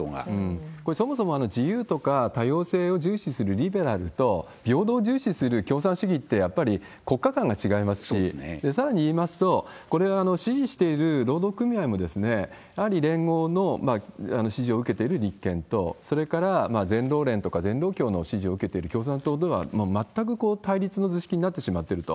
これ、そもそも自由とか多様性を重視するリベラルと、平等を重視する共産主義ってやっぱり国家観が違いますし、さらに言いますと、これは支持している労働組合も、やはり連合の支持を受けている立憲と、それから全労連とか全労協の支持を受けてる共産党では、もう全く対立の図式になってしまってると。